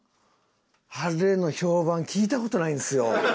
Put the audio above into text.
あれの評判聞いた事ないんですよ。